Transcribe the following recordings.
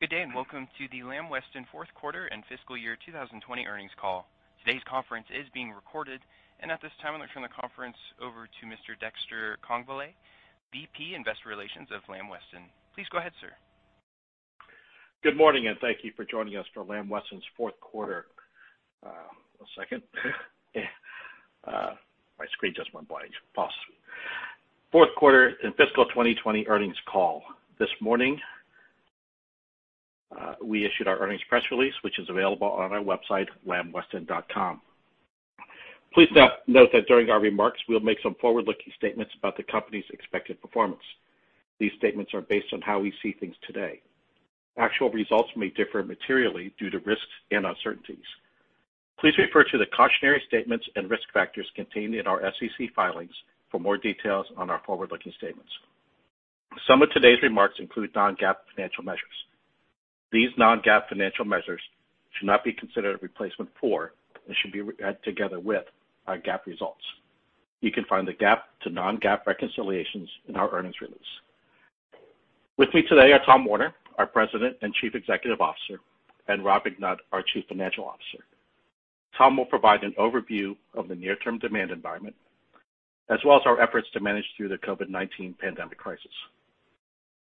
Good day. Welcome to the Lamb Weston fourth quarter and fiscal year 2020 earnings call. Today's conference is being recorded, and at this time, I'll turn the conference over to Mr. Dexter Congbalay, VP Investor Relations of Lamb Weston. Please go ahead, sir. Good morning, and thank you for joining us for Lamb Weston's fourth quarter. One second. My screen just went blank. Fourth quarter in fiscal 2020 earnings call. This morning, we issued our earnings press release, which is available on our website, lambweston.com. Please note that during our remarks, we'll make some forward-looking statements about the company's expected performance. These statements are based on how we see things today. Actual results may differ materially due to risks and uncertainties. Please refer to the cautionary statements and risk factors contained in our SEC filings for more details on our forward-looking statements. Some of today's remarks include non-GAAP financial measures. These non-GAAP financial measures should not be considered a replacement for, and should be read together with, our GAAP results. You can find the GAAP to non-GAAP reconciliations in our earnings release. With me today are Tom Werner, our President and Chief Executive Officer, and Rob McNutt, our Chief Financial Officer. Tom will provide an overview of the near-term demand environment, as well as our efforts to manage through the COVID-19 pandemic crisis.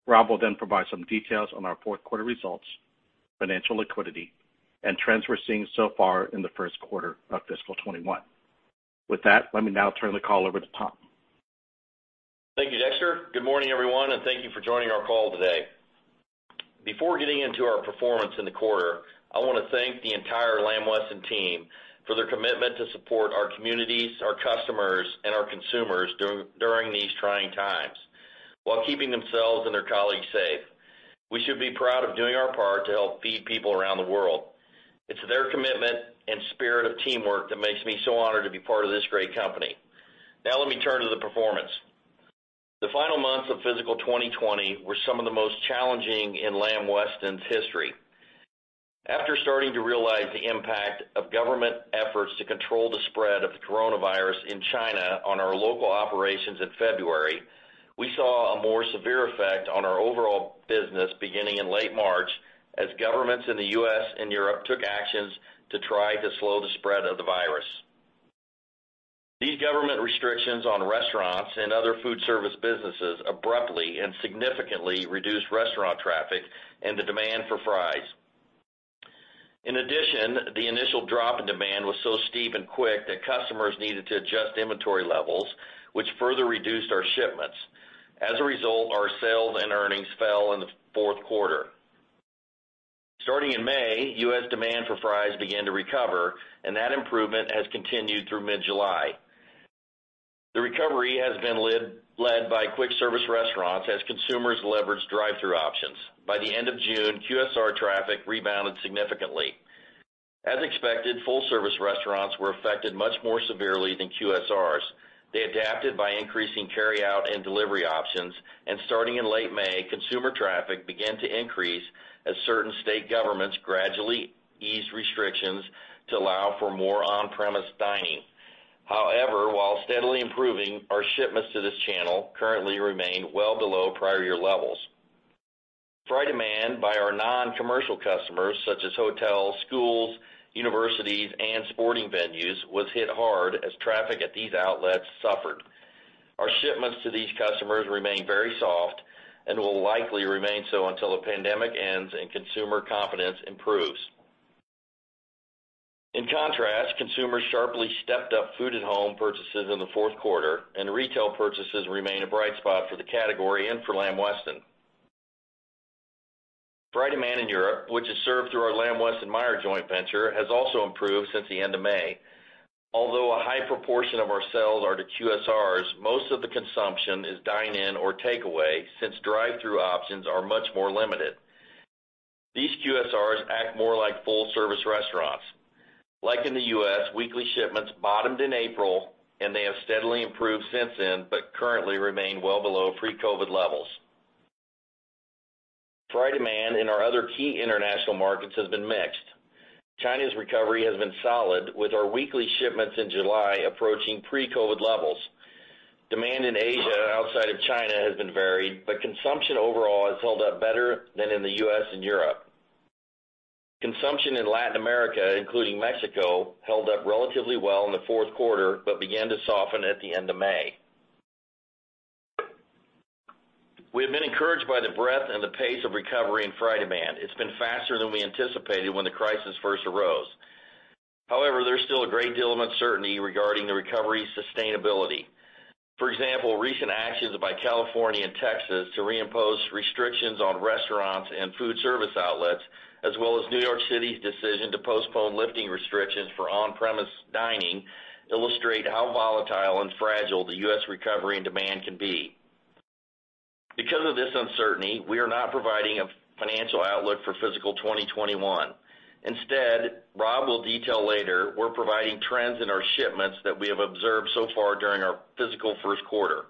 Rob will provide some details on our fourth quarter results, financial liquidity, and trends we're seeing so far in the first quarter of fiscal 2021. With that, let me now turn the call over to Tom. Thank you, Dexter. Good morning, everyone, and thank you for joining our call today. Before getting into our performance in the quarter, I want to thank the entire Lamb Weston team for their commitment to support our communities, our customers, and our consumers during these trying times while keeping themselves and their colleagues safe. We should be proud of doing our part to help feed people around the world. It's their commitment and spirit of teamwork that makes me so honored to be part of this great company. Now let me turn to the performance. The final months of fiscal 2020 were some of the most challenging in Lamb Weston's history. After starting to realize the impact of government efforts to control the spread of the COVID-19 in China on our local operations in February, we saw a more severe effect on our overall business beginning in late March as governments in the U.S. and Europe took actions to try to slow the spread of the virus. These government restrictions on restaurants and other food service businesses abruptly and significantly reduced restaurant traffic and the demand for fries. In addition, the initial drop in demand was so steep and quick that customers needed to adjust inventory levels, which further reduced our shipments. As a result, our sales and earnings fell in the fourth quarter. Starting in May, U.S. demand for fries began to recover, and that improvement has continued through mid-July. The recovery has been led by quick service restaurants as consumers leveraged drive-thru options. By the end of June, QSR traffic rebounded significantly. As expected, full service restaurants were affected much more severely than QSRs. They adapted by increasing carryout and delivery options, and starting in late May, consumer traffic began to increase as certain state governments gradually eased restrictions to allow for more on-premise dining. However, while steadily improving our shipments to this channel currently remain well below prior year levels. Fry demand by our non-commercial customers, such as hotels, schools, universities, and sporting venues, was hit hard as traffic at these outlets suffered. Our shipments to these customers remain very soft and will likely remain so until the pandemic ends and consumer confidence improves. In contrast, consumers sharply stepped up food at home purchases in the fourth quarter, and retail purchases remain a bright spot for the category and for Lamb Weston. Fry demand in Europe, which is served through our Lamb-Weston/Meijer joint venture, has also improved since the end of May. Although a high proportion of our sales are to QSRs, most of the consumption is dine-in or takeaway since drive-through options are much more limited. These QSRs act more like full service restaurants. Like in the U.S., weekly shipments bottomed in April, and they have steadily improved since then but currently remain well below pre-COVID levels. Fry demand in our other key international markets has been mixed. China's recovery has been solid, with our weekly shipments in July approaching pre-COVID levels. Demand in Asia outside of China has been varied, but consumption overall has held up better than in the U.S. and Europe. Consumption in Latin America, including Mexico, held up relatively well in the fourth quarter but began to soften at the end of May. We have been encouraged by the breadth and the pace of recovery in fry demand. It's been faster than we anticipated when the crisis first arose. There's still a great deal of uncertainty regarding the recovery's sustainability. For example, recent actions by California and Texas to reimpose restrictions on restaurants and food service outlets, as well as New York City's decision to postpone lifting restrictions for on-premise dining, illustrate how volatile and fragile the U.S. recovery and demand can be. Because of this uncertainty, we are not providing a financial outlook for fiscal 2021. Instead, Rob will detail later, we're providing trends in our shipments that we have observed so far during our fiscal first quarter.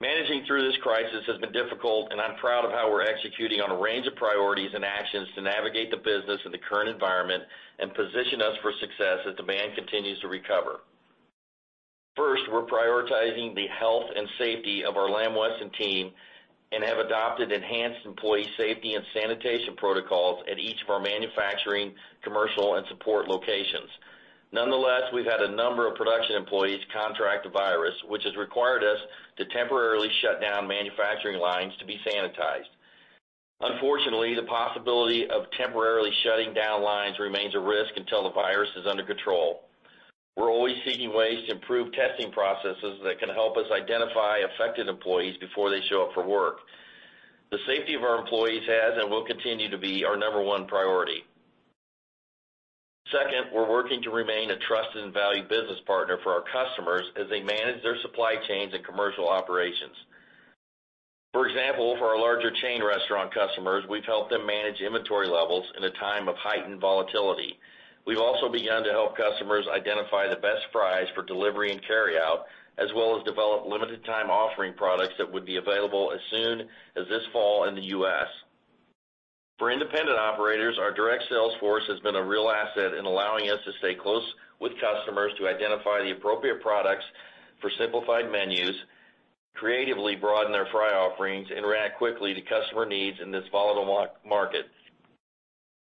Managing through this crisis has been difficult. I'm proud of how we're executing on a range of priorities and actions to navigate the business in the current environment and position us for success as demand continues to recover. First, we're prioritizing the health and safety of our Lamb Weston team and have adopted enhanced employee safety and sanitation protocols at each of our manufacturing, commercial, and support locations. Nonetheless, we've had a number of production employees contract the virus, which has required us to temporarily shut down manufacturing lines to be sanitized. Unfortunately, the possibility of temporarily shutting down lines remains a risk until the virus is under control. We're always seeking ways to improve testing processes that can help us identify affected employees before they show up for work. The safety of our employees has and will continue to be our number one priority. Second, we're working to remain a trusted and valued business partner for our customers as they manage their supply chains and commercial operations. For example, for our larger chain restaurant customers, we've helped them manage inventory levels in a time of heightened volatility. We've also begun to help customers identify the best fries for delivery and carryout, as well as develop limited time offering products that would be available as soon as this fall in the U.S. For independent operators, our direct sales force has been a real asset in allowing us to stay close with customers to identify the appropriate products for simplified menus, creatively broaden their fry offerings, and react quickly to customer needs in this volatile market.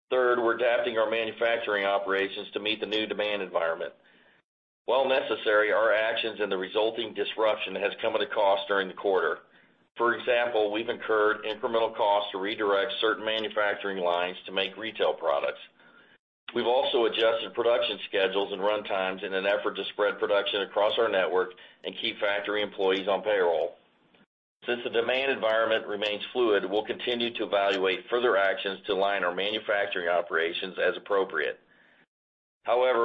Third, we're adapting our manufacturing operations to meet the new demand environment. While necessary, our actions and the resulting disruption has come at a cost during the quarter. For example, we've incurred incremental costs to redirect certain manufacturing lines to make retail products. We've also adjusted production schedules and run times in an effort to spread production across our network and keep factory employees on payroll. Since the demand environment remains fluid, we'll continue to evaluate further actions to align our manufacturing operations as appropriate.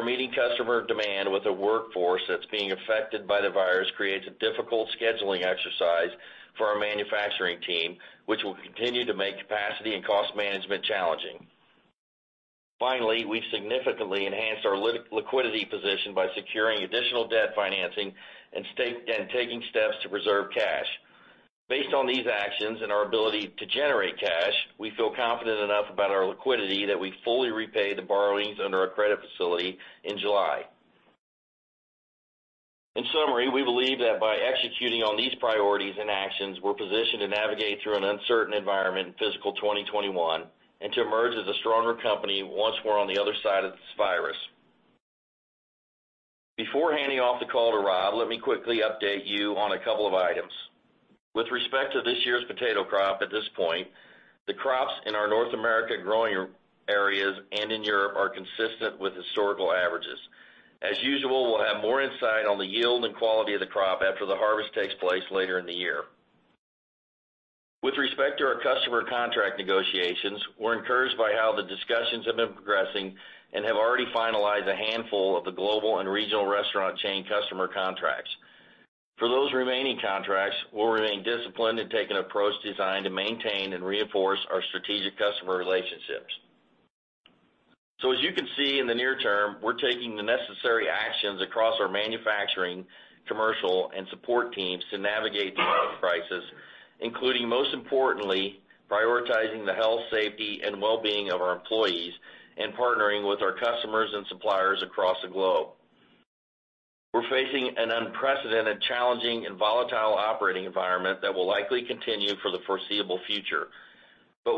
Meeting customer demand with a workforce that's being affected by the virus creates a difficult scheduling exercise for our manufacturing team, which will continue to make capacity and cost management challenging. Finally, we've significantly enhanced our liquidity position by securing additional debt financing and taking steps to preserve cash. Based on these actions and our ability to generate cash, we feel confident enough about our liquidity that we fully repay the borrowings under our credit facility in July. In summary, we believe that by executing on these priorities and actions, we're positioned to navigate through an uncertain environment in fiscal 2021 and to emerge as a stronger company once we're on the other side of this virus. Before handing off the call to Rob, let me quickly update you on a couple of items. With respect to this year's potato crop at this point, the crops in our North America growing areas and in Europe are consistent with historical averages. As usual, we'll have more insight on the yield and quality of the crop after the harvest takes place later in the year. With respect to our customer contract negotiations, we're encouraged by how the discussions have been progressing and have already finalized a handful of the global and regional restaurant chain customer contracts. For those remaining contracts, we'll remain disciplined and take an approach designed to maintain and reinforce our strategic customer relationships. As you can see in the near term, we're taking the necessary actions across our manufacturing, commercial, and support teams to navigate through this crisis, including, most importantly, prioritizing the health, safety, and well-being of our employees and partnering with our customers and suppliers across the globe. We're facing an unprecedented, challenging, and volatile operating environment that will likely continue for the foreseeable future.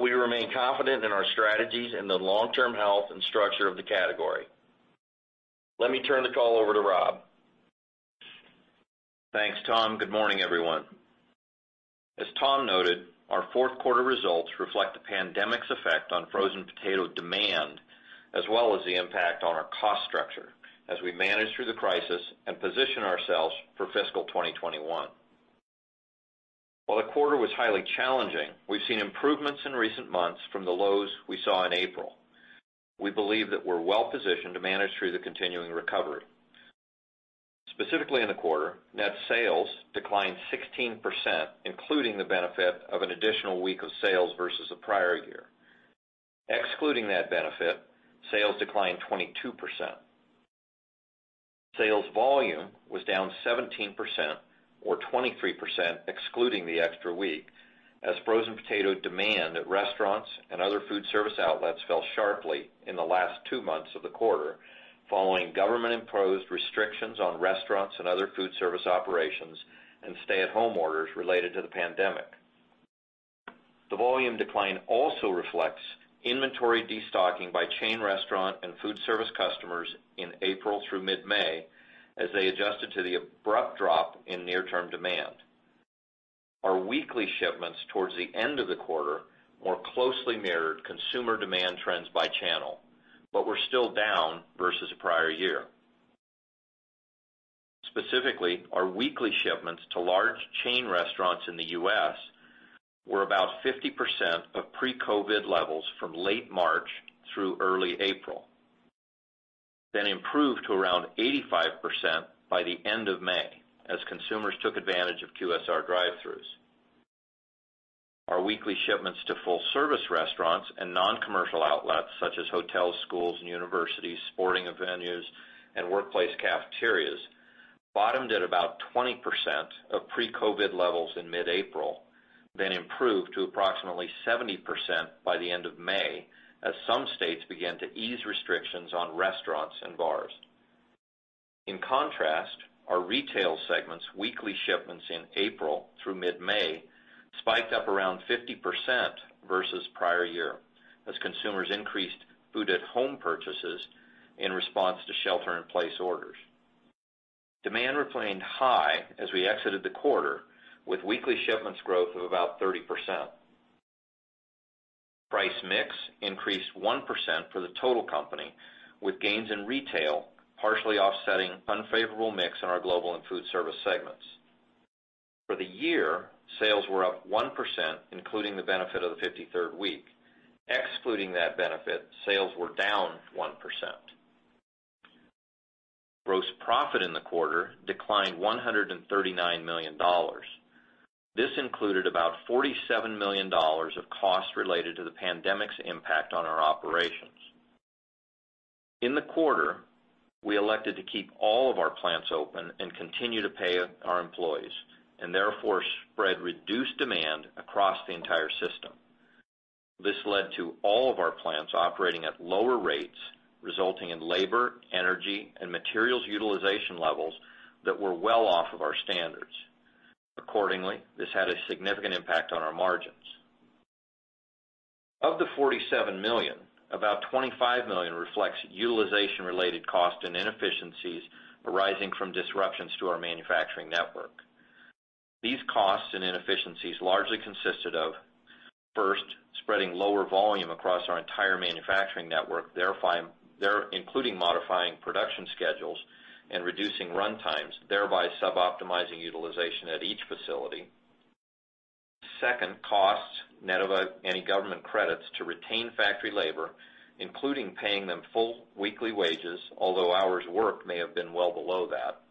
We remain confident in our strategies and the long-term health and structure of the category. Let me turn the call over to Rob. Thanks, Tom. Good morning, everyone. As Tom noted, our fourth quarter results reflect the pandemic's effect on frozen potato demand, as well as the impact on our cost structure as we manage through the crisis and position ourselves for fiscal 2021. While the quarter was highly challenging, we've seen improvements in recent months from the lows we saw in April. We believe that we're well positioned to manage through the continuing recovery. Specifically in the quarter, net sales declined 16%, including the benefit of an additional week of sales versus the prior year. Excluding that benefit, sales declined 22%. Sales volume was down 17%, or 23% excluding the extra week, as frozen potato demand at restaurants and other food service outlets fell sharply in the last two months of the quarter, following government-imposed restrictions on restaurants and other food service operations and stay-at-home orders related to the pandemic. The volume decline also reflects inventory destocking by chain restaurant and food service customers in April through mid-May, as they adjusted to the abrupt drop in near-term demand. Our weekly shipments towards the end of the quarter more closely mirrored consumer demand trends by channel, but were still down versus the prior year. Specifically, our weekly shipments to large chain restaurants in the U.S. were about 50% of pre-COVID levels from late March through early April, then improved to around 85% by the end of May as consumers took advantage of QSR drive-throughs. Our weekly shipments to full-service restaurants and non-commercial outlets such as hotels, schools, and universities, sporting venues, and workplace cafeterias bottomed at about 20% of pre-COVID levels in mid-April. Then improved to approximately 70% by the end of May, as some states began to ease restrictions on restaurants and bars. In contrast, our retail segment's weekly shipments in April through mid-May spiked up around 50% versus prior year, as consumers increased food at home purchases in response to shelter in place orders. Demand remained high as we exited the quarter, with weekly shipments growth of about 30%. Price mix increased 1% for the total company, with gains in retail partially offsetting unfavorable mix in our global and food service segments. For the year, sales were up 1%, including the benefit of the 53rd week. Excluding that benefit, sales were down 1%. Gross profit in the quarter declined $139 million. This included about $47 million of costs related to the pandemic's impact on our operations. In the quarter, we elected to keep all of our plants open and continue to pay our employees, and therefore spread reduced demand across the entire system. This led to all of our plants operating at lower rates, resulting in labor, energy, and materials utilization levels that were well off of our standards. This had a significant impact on our margins. Of the $47 million, about $25 million reflects utilization-related costs and inefficiencies arising from disruptions to our manufacturing network. These costs and inefficiencies largely consisted of, first, spreading lower volume across our entire manufacturing network, including modifying production schedules and reducing runtimes, thereby suboptimizing utilization at each facility. Second, costs net of any government credits to retain factory labor, including paying them full weekly wages, although hours worked may have been well below that.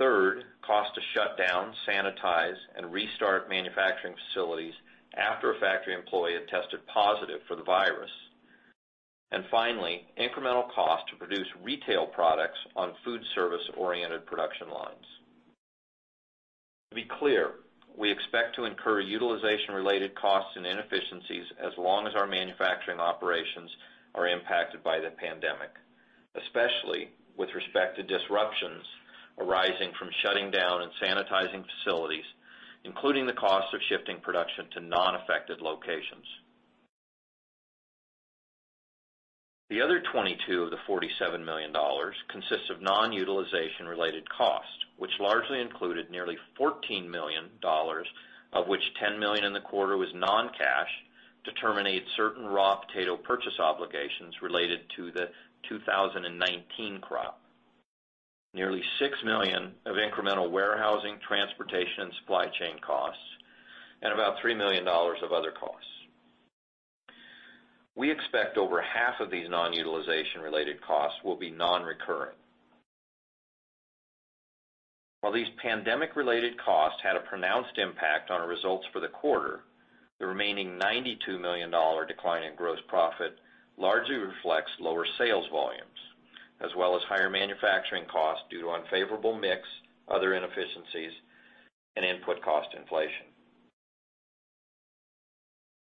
Third, costs to shut down, sanitize, and restart manufacturing facilities after a factory employee had tested positive for the virus. Finally, incremental costs to produce retail products on food service-oriented production lines. To be clear, we expect to incur utilization-related costs and inefficiencies as long as our manufacturing operations are impacted by the pandemic, especially with respect to disruptions arising from shutting down and sanitizing facilities, including the cost of shifting production to non-affected locations. The other $22 million of the $47 million consists of non-utilization related costs, which largely included nearly $14 million, of which $10 million in the quarter was non-cash, to terminate certain raw potato purchase obligations related to the 2019 crop. Nearly $6 million of incremental warehousing, transportation, and supply chain costs, and about $3 million of other costs. We expect over half of these non-utilization related costs will be non-recurring. While these pandemic-related costs had a pronounced impact on our results for the quarter, the remaining $92 million decline in gross profit largely reflects lower sales volumes, as well as higher manufacturing costs due to unfavorable mix, other inefficiencies, and input cost inflation.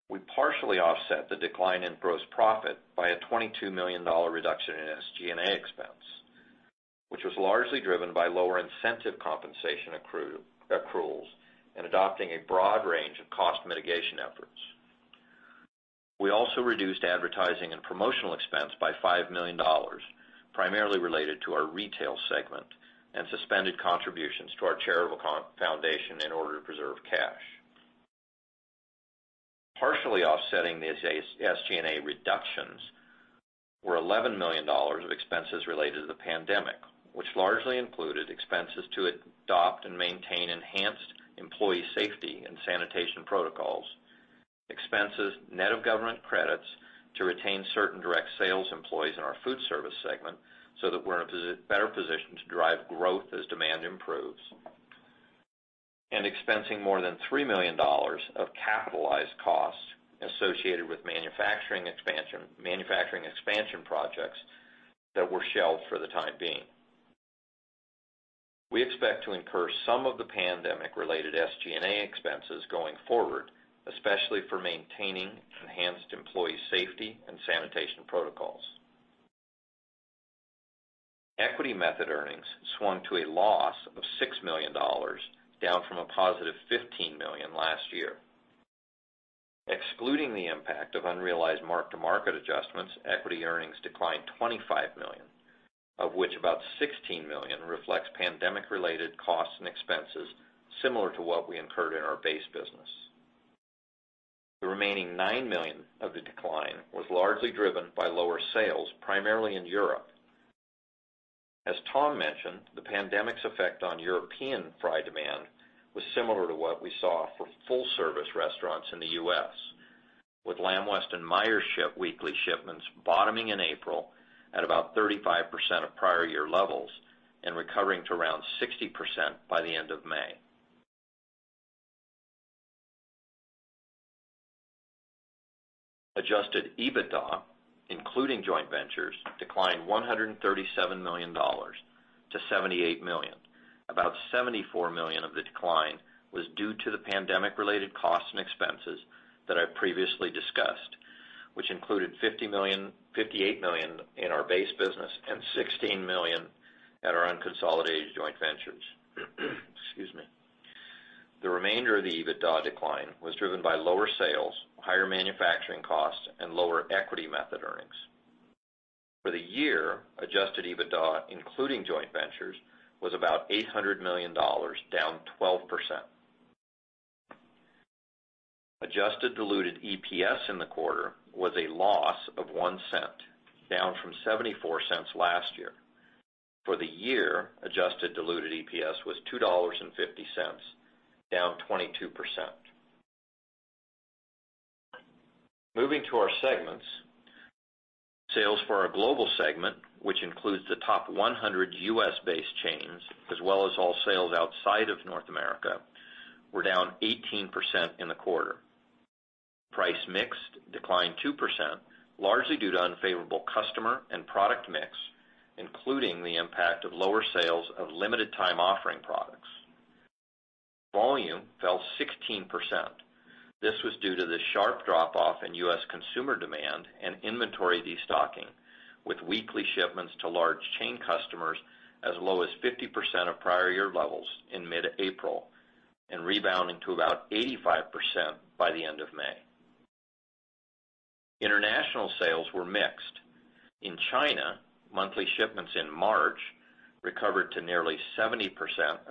We partially offset the decline in gross profit by a $22 million reduction in SG&A expense, which was largely driven by lower incentive compensation accruals and adopting a broad range of cost mitigation efforts. We also reduced advertising and promotional expense by $5 million, primarily related to our retail segment, and suspended contributions to our charitable foundation in order to preserve cash. Partially offsetting the SG&A reductions were $11 million of expenses related to the pandemic, which largely included expenses to adopt and maintain enhanced employee safety and sanitation protocols, expenses net of government credits to retain certain direct sales employees in our food service segment so that we're in a better position to drive growth as demand improves, and expensing more than $3 million of capitalized costs associated with manufacturing expansion projects that were shelved for the time being. We expect to incur some of the pandemic-related SG&A expenses going forward, especially for maintaining enhanced employee safety and sanitation protocols. Equity method earnings swung to a loss of $6 million, down from a positive $15 million last year. Excluding the impact of unrealized mark-to-market adjustments, equity earnings declined $25 million, of which about $16 million reflects pandemic-related costs and expenses similar to what we incurred in our base business. The remaining $9 million of the decline was largely driven by lower sales, primarily in Europe. As Tom mentioned, the pandemic's effect on European fry demand was similar to what we saw for full-service restaurants in the U.S., with Lamb-Weston/Meijer weekly shipments bottoming in April at about 35% of prior year levels and recovering to around 60% by the end of May. Adjusted EBITDA, including joint ventures, declined $137 million to $78 million. About $74 million of the decline was due to the pandemic-related costs and expenses that I previously discussed, which included $58 million in our base business and $16 million at our unconsolidated joint ventures. Excuse me. The remainder of the EBITDA decline was driven by lower sales, higher manufacturing costs, and lower equity method earnings. For the year, adjusted EBITDA, including joint ventures, was about $800 million, down 12%. Adjusted diluted EPS in the quarter was a loss of $0.01, down from $0.74 last year. For the year, adjusted diluted EPS was $2.50, down 22%. Moving to our segments, sales for our global segment, which includes the top 100 U.S.-based chains, as well as all sales outside of North America, were down 18% in the quarter. Price mix declined 2%, largely due to unfavorable customer and product mix, including the impact of lower sales of limited time offering products. Volume fell 16%. This was due to the sharp drop-off in U.S. consumer demand and inventory destocking, with weekly shipments to large chain customers as low as 50% of prior year levels in mid-April, and rebounding to about 85% by the end of May. International sales were mixed. In China, monthly shipments in March recovered to nearly 70%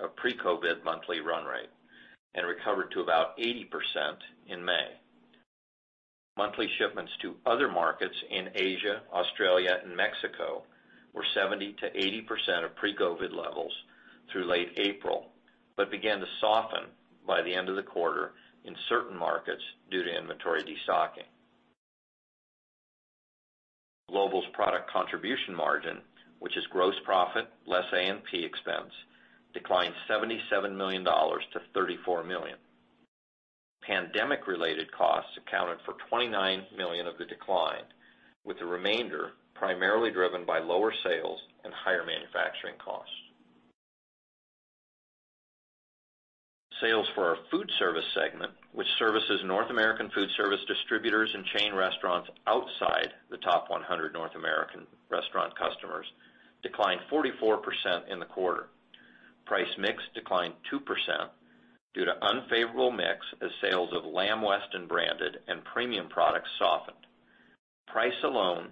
of pre-COVID monthly run rate and recovered to about 80% in May. Monthly shipments to other markets in Asia, Australia, and Mexico were 70%-80% of pre-COVID levels through late April, began to soften by the end of the quarter in certain markets due to inventory destocking. Global's product contribution margin, which is gross profit less A&P expense, declined $77 million to $34 million. Pandemic-related costs accounted for $29 million of the decline, with the remainder primarily driven by lower sales and higher manufacturing costs. Sales for our food service segment, which services North American food service distributors and chain restaurants outside the top 100 North American restaurant customers, declined 44% in the quarter. Price mix declined 2% due to unfavorable mix as sales of Lamb Weston branded and premium products softened. Price alone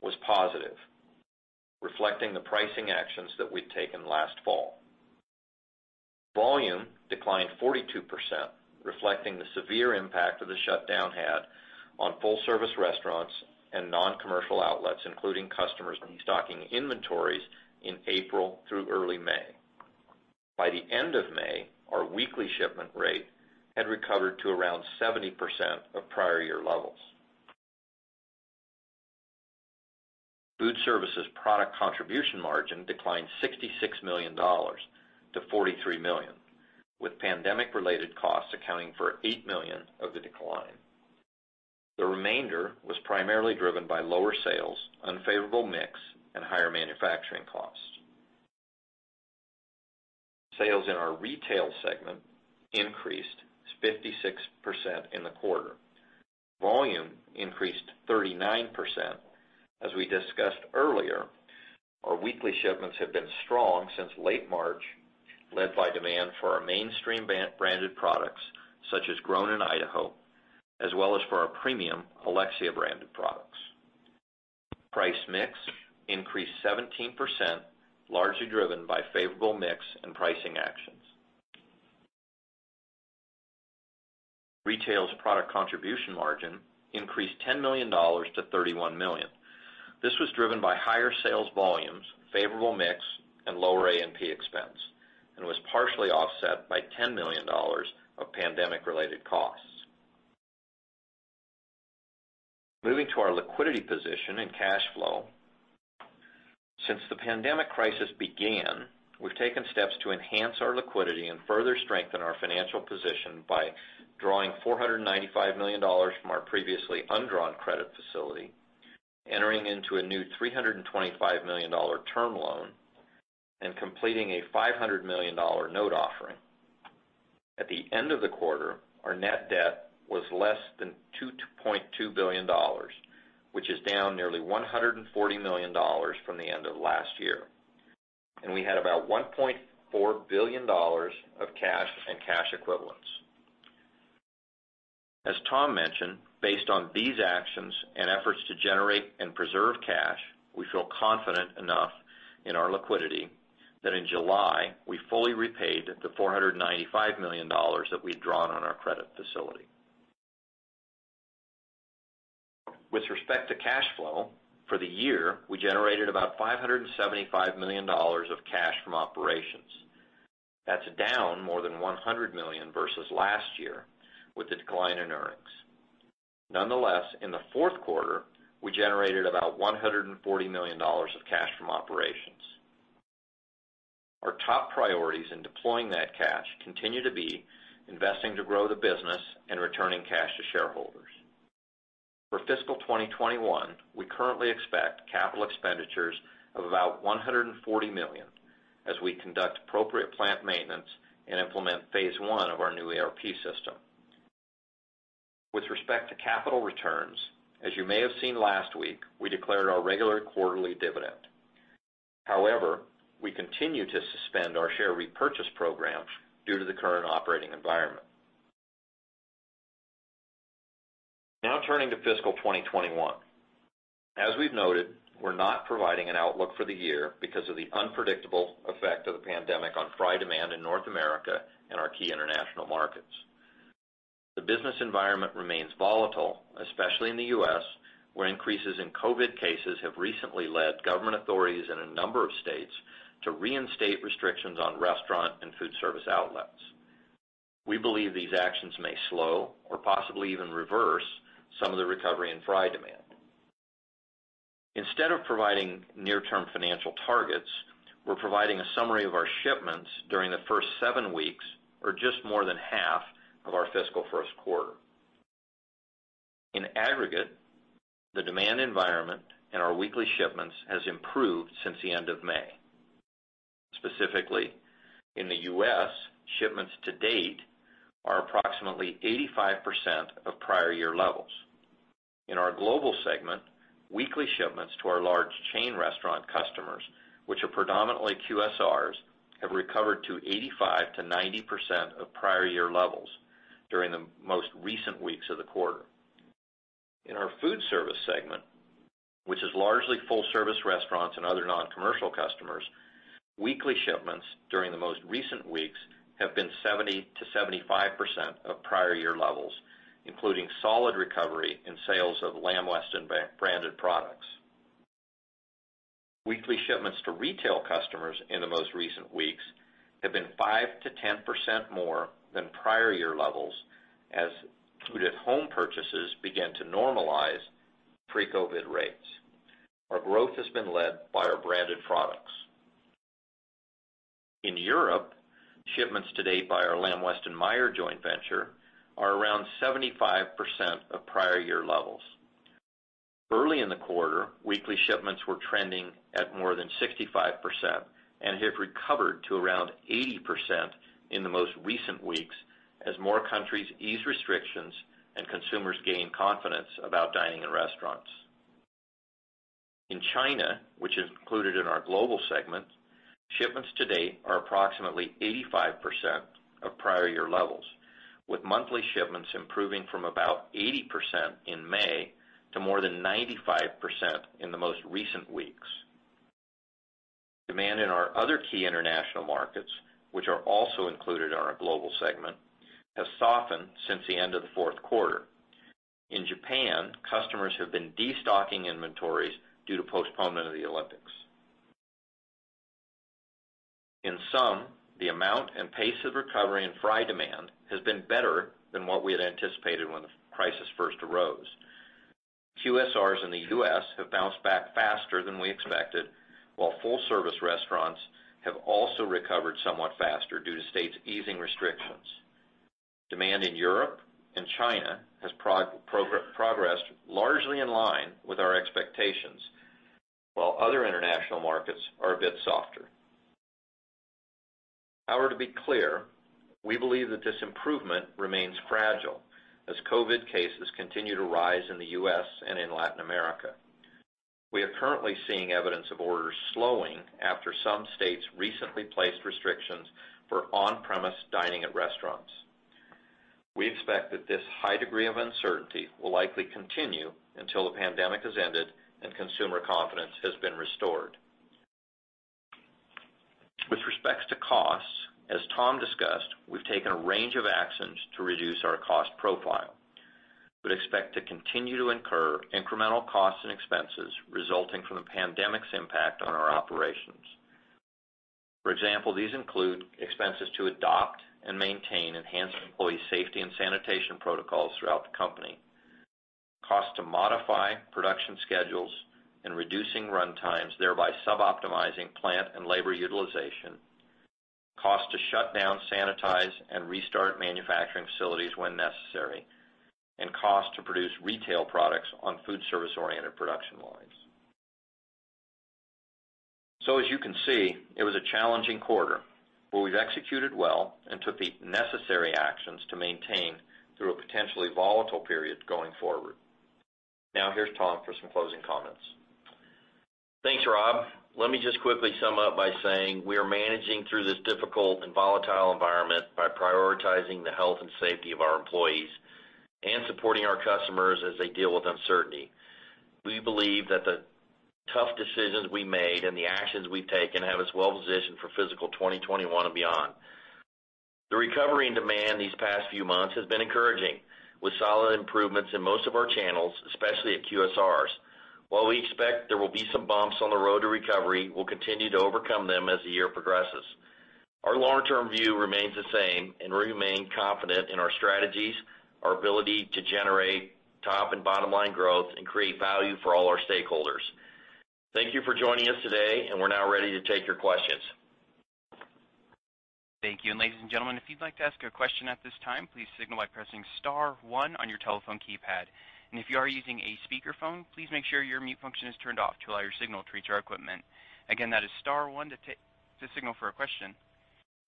was positive, reflecting the pricing actions that we'd taken last fall. Volume declined 42%, reflecting the severe impact that the shutdown had on full service restaurants and non-commercial outlets, including customers destocking inventories in April through early May. By the end of May, our weekly shipment rate had recovered to around 70% of prior year levels. Food services product contribution margin declined $66 million to $43 million, with pandemic related costs accounting for $8 million of the decline. The remainder was primarily driven by lower sales, unfavorable mix, and higher manufacturing costs. Sales in our retail segment increased 56% in the quarter. Volume increased 39%. As we discussed earlier, our weekly shipments have been strong since late March, led by demand for our mainstream branded products such as Grown In Idaho, as well as for our premium Alexia branded products. Price mix increased 17%, largely driven by favorable mix and pricing actions. Retail's product contribution margin increased $10 million to $31 million. This was driven by higher sales volumes, favorable mix, and lower A&P expense, and was partially offset by $10 million of pandemic-related costs. Moving to our liquidity position and cash flow. Since the pandemic crisis began, we've taken steps to enhance our liquidity and further strengthen our financial position by drawing $495 million from our previously undrawn credit facility, entering into a new $325 million term loan, and completing a $500 million note offering. At the end of the quarter, our net debt was less than $2.2 billion, which is down nearly $140 million from the end of last year. We had about $1.4 billion of cash and cash equivalents. As Tom mentioned, based on these actions and efforts to generate and preserve cash, we feel confident enough in our liquidity that in July, we fully repaid the $495 million that we'd drawn on our credit facility. With respect to cash flow, for the year, we generated about $575 million of cash from operations. That's down more than $100 million versus last year, with the decline in earnings. Nonetheless, in the fourth quarter, we generated about $140 million of cash from operations. Our top priorities in deploying that cash continue to be investing to grow the business and returning cash to shareholders. For fiscal 2021, we currently expect capital expenditures of about $140 million as we conduct appropriate plant maintenance and implement phase one of our new ERP system. With respect to capital returns, as you may have seen last week, we declared our regular quarterly dividend. However, we continue to suspend our share repurchase program due to the current operating environment. Now turning to fiscal 2021. As we've noted, we're not providing an outlook for the year because of the unpredictable effect of the pandemic on fry demand in North America and our key international markets. The business environment remains volatile, especially in the U.S., where increases in COVID-19 cases have recently led government authorities in a number of states to reinstate restrictions on restaurant and food service outlets. We believe these actions may slow or possibly even reverse some of the recovery in fry demand. Instead of providing near-term financial targets, we're providing a summary of our shipments during the first seven weeks or just more than half of our fiscal first quarter. In aggregate, the demand environment and our weekly shipments has improved since the end of May. Specifically, in the U.S., shipments to date are approximately 85% of prior year levels. In our global segment, weekly shipments to our large chain restaurant customers, which are predominantly QSRs, have recovered to 85%-90% of prior year levels during the most recent weeks of the quarter. In our food service segment, which is largely full service restaurants and other non-commercial customers, weekly shipments during the most recent weeks have been 70%-75% of prior year levels, including solid recovery in sales of Lamb Weston branded products. Weekly shipments to retail customers in the most recent weeks have been 5%-10% more than prior year levels as food at home purchases begin to normalize pre-COVID rates. Our growth has been led by our branded products. In Europe, shipments to date by our Lamb-Weston/Meijer joint venture are around 75% of prior year levels. Early in the quarter, weekly shipments were trending at more than 65% and have recovered to around 80% in the most recent weeks as more countries ease restrictions and consumers gain confidence about dining in restaurants. In China, which is included in our Global segment, shipments to date are approximately 85% of prior year levels, with monthly shipments improving from about 80% in May to more than 95% in the most recent weeks. Demand in our other key international markets, which are also included in our Global segment, have softened since the end of the fourth quarter. In Japan, customers have been destocking inventories due to postponement of the Olympics. In sum, the amount and pace of recovery and fry demand has been better than what we had anticipated when the crisis first arose. QSRs in the U.S. have bounced back faster than we expected, while full service restaurants have also recovered somewhat faster due to states easing restrictions. Demand in Europe and China has progressed largely in line with our expectations, while other international markets are a bit softer. To be clear, we believe that this improvement remains fragile as COVID cases continue to rise in the U.S. and in Latin America. We are currently seeing evidence of orders slowing after some states recently placed restrictions for on-premise dining at restaurants. We expect that this high degree of uncertainty will likely continue until the pandemic has ended and consumer confidence has been restored. With respects to costs, as Tom discussed, we've taken a range of actions to reduce our cost profile. We'd expect to continue to incur incremental costs and expenses resulting from the pandemic's impact on our operations. For example, these include expenses to adopt and maintain enhanced employee safety and sanitation protocols throughout the company, cost to modify production schedules and reducing runtimes, thereby suboptimizing plant and labor utilization, cost to shut down, sanitize, and restart manufacturing facilities when necessary, and cost to produce retail products on foodservice-oriented production lines. As you can see, it was a challenging quarter, but we've executed well and took the necessary actions to maintain through a potentially volatile period going forward. Now, here's Tom for some closing comments. Thanks, Rob. Let me just quickly sum up by saying we are managing through this difficult and volatile environment by prioritizing the health and safety of our employees and supporting our customers as they deal with uncertainty. We believe that the tough decisions we made and the actions we've taken have us well positioned for fiscal 2021 and beyond. The recovery and demand these past few months has been encouraging with solid improvements in most of our channels, especially at QSRs. While we expect there will be some bumps on the road to recovery, we'll continue to overcome them as the year progresses. Our long-term view remains the same, and we remain confident in our strategies, our ability to generate top and bottom line growth, and create value for all our stakeholders. Thank you for joining us today, and we're now ready to take your questions. Thank you. Ladies and gentlemen, if you'd like to ask a question at this time, please signal by pressing star one on your telephone keypad. If you are using a speakerphone, please make sure your mute function is turned off to allow your signal to reach our equipment. Again, that is star one to signal for a question.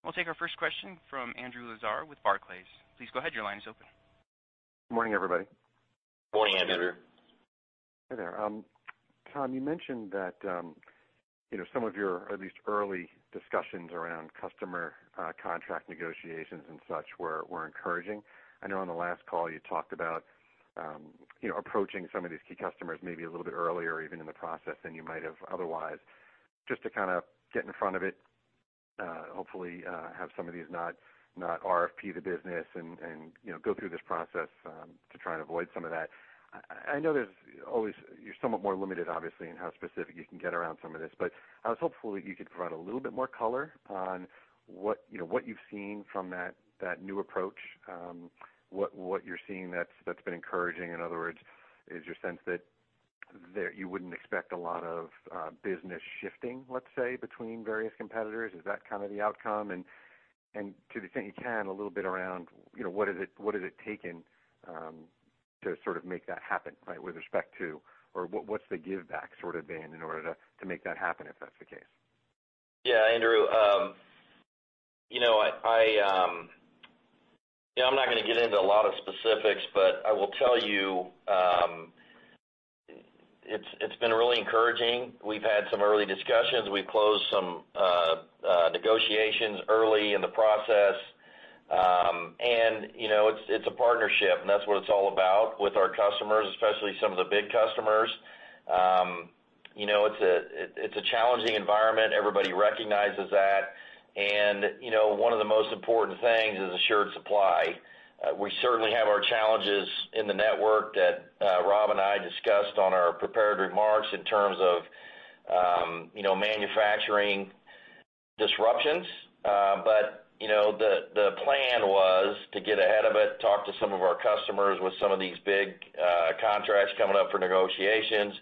We'll take our first question from Andrew Lazar with Barclays. Please go ahead. Your line is open. Good morning, everybody. Morning, Andrew. Hi there. Tom, you mentioned that some of your, at least early discussions around customer contract negotiations and such were encouraging. I know on the last call you talked about approaching some of these key customers maybe a little bit earlier even in the process than you might have otherwise, just to kind of get in front of it, hopefully, have some of these not RFP the business and go through this process to try and avoid some of that. I know you're somewhat more limited, obviously, in how specific you can get around some of this. I was hopeful that you could provide a little bit more color on what you've seen from that new approach, what you're seeing that's been encouraging. In other words, is your sense that you wouldn't expect a lot of business shifting, let's say, between various competitors? Is that kind of the outcome? To the extent you can, a little bit around what has it taken to sort of make that happen or what's the giveback been in order to make that happen, if that's the case? Yeah, Andrew. I'm not going to get into a lot of specifics, but I will tell you it's been really encouraging. We've had some early discussions. We've closed some negotiations early in the process. It's a partnership, and that's what it's all about with our customers, especially some of the big customers. It's a challenging environment. Everybody recognizes that. One of the most important things is assured supply. We certainly have our challenges in the network that Rob and I discussed on our prepared remarks in terms of manufacturing disruptions. The plan was to get ahead of it, talk to some of our customers with some of these big contracts coming up for negotiations.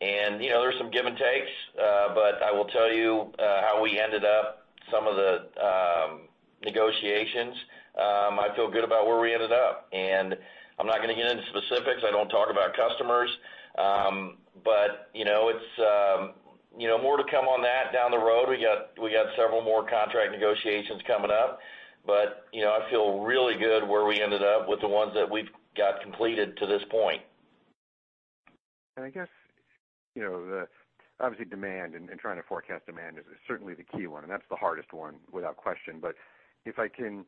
There's some give and takes, but I will tell you how we ended up some of the negotiations. I feel good about where we ended up, and I'm not going to get into specifics. I don't talk about customers. More to come on that down the road. We got several more contract negotiations coming up, but I feel really good where we ended up with the ones that we've got completed to this point. I guess, obviously demand and trying to forecast demand is certainly the key one, and that's the hardest one without question. If I can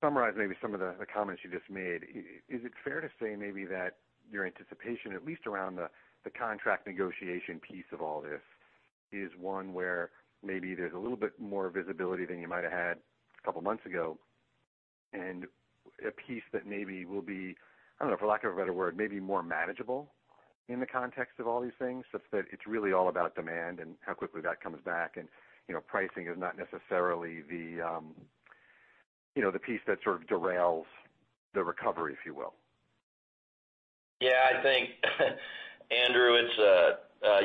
summarize maybe some of the comments you just made, is it fair to say maybe that your anticipation, at least around the contract negotiation piece of all this, is one where maybe there's a little bit more visibility than you might have had a couple of months ago, and a piece that maybe will be, I don't know, for lack of a better word, maybe more manageable in the context of all these things, such that it's really all about demand and how quickly that comes back. Pricing is not necessarily the piece that sort of derails the recovery, if you will. Yeah, I think, Andrew,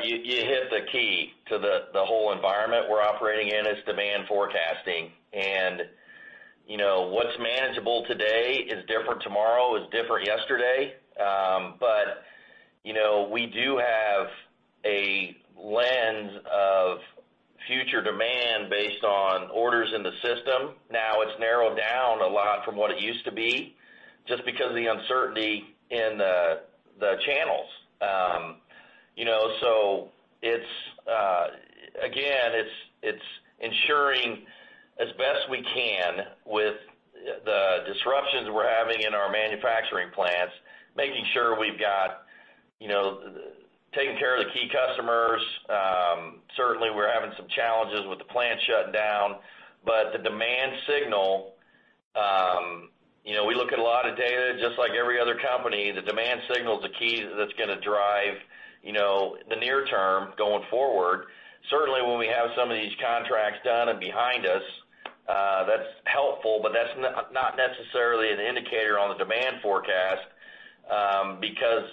you hit the key to the whole environment we're operating in is demand forecasting. What's manageable today is different tomorrow, is different yesterday. We do have a lens of future demand based on orders in the system. Now it's narrowed down a lot from what it used to be, just because of the uncertainty in the channels. Again, it's ensuring as best we can with the disruptions we're having in our manufacturing plants, making sure we've got taking care of the key customers. Certainly, we're having some challenges with the plant shutting down. The demand signal, we look at a lot of data just like every other company. The demand signal is a key that's going to drive the near term going forward. Certainly, when we have some of these contracts done and behind us, that's helpful, but that's not necessarily an indicator on the demand forecast because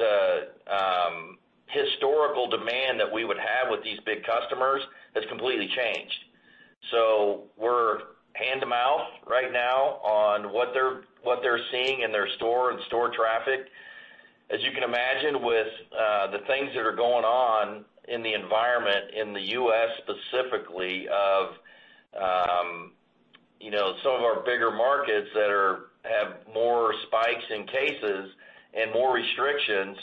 the historical demand that we would have with these big customers has completely changed. We're hand to mouth right now on what they're seeing in their store and store traffic. As you can imagine with the things that are going on in the environment in the U.S. specifically of some of our bigger markets that have more spikes in cases and more restrictions,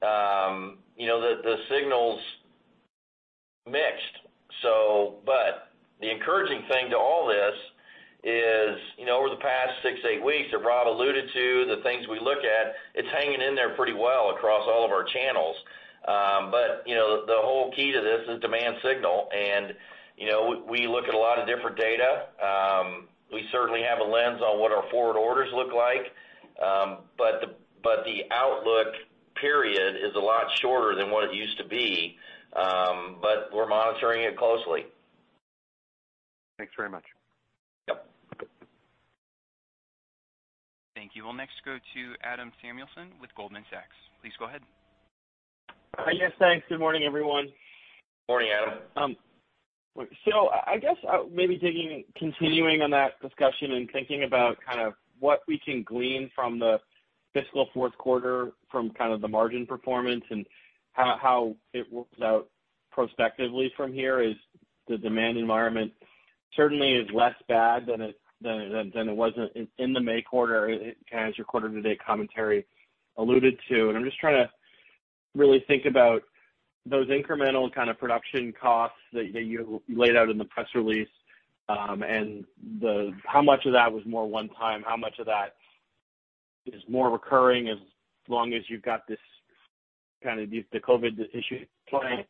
the signal's mixed. The encouraging thing to all this is over the past six, eight weeks that Rob alluded to, the things we look at, it's hanging in there pretty well across all of our channels. The whole key to this is demand signal, and we look at a lot of different data We certainly have a lens on what our forward orders look like. The outlook period is a lot shorter than what it used to be, but we're monitoring it closely. Thanks very much. Yep. Thank you. We'll next go to Adam Samuelson with Goldman Sachs. Please go ahead. Yes, thanks. Good morning, everyone. Morning, Adam. I guess maybe continuing on that discussion and thinking about what we can glean from the fiscal fourth quarter from the margin performance and how it works out prospectively from here is the demand environment certainly is less bad than it was in the May quarter as your quarter to date commentary alluded to. I'm just trying to really think about those incremental kind of production costs that you laid out in the press release, and how much of that was more one time, how much of that is more recurring as long as you've got the COVID issue playing?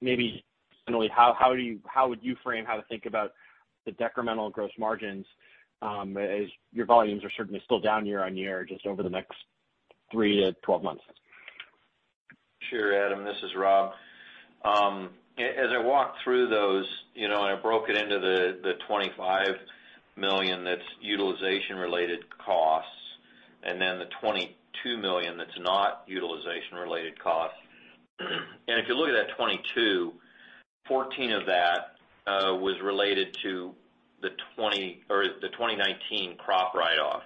Maybe similarly, how would you frame how to think about the decremental gross margins as your volumes are certainly still down year-over-year, just over the next 3 to 12 months? Sure, Adam, this is Rob. I walked through those and I broke it into the $25 million that's utilization related costs and then the $22 million that's not utilization related costs. If you look at that 22, 14 of that was related to the 2019 crop write-off.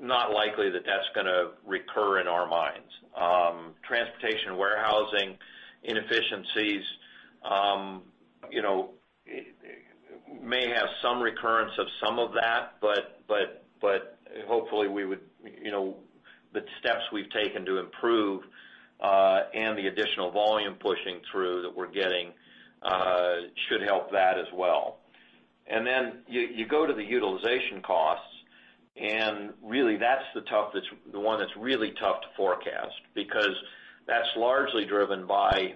Not likely that that's going to recur in our minds. Transportation, warehousing, inefficiencies may have some recurrence of some of that, but hopefully the steps we've taken to improve, and the additional volume pushing through that we're getting, should help that as well. You go to the utilization costs, and really that's the one that's really tough to forecast because that's largely driven by